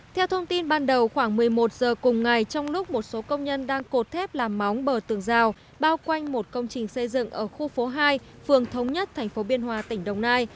theo thông tin ban đầu khoảng một mươi một giờ cùng ngày trong lúc một số công nhân đang cột thép làm móng bờ tường rào bao quanh một công trình xây dựng ở khu phố hai phường thống nhất tp biên hòa tỉnh đồng nai